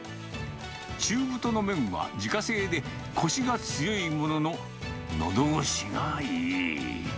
中太の麺は自家製で、こしが強いものの、のどごしがいい。